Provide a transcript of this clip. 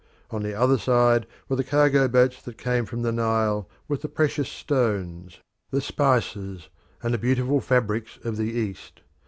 On the other side were the cargo boats that came from the Nile with the precious stones, the spices, and the beautiful fabrics of the East.